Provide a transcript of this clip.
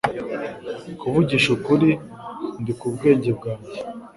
Kuvugisha ukuri, ndi ku bwenge bwanjye.